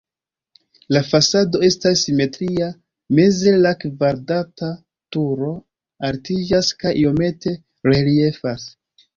La fasado estas simetria, meze la kvadrata turo altiĝas kaj iomete reliefas.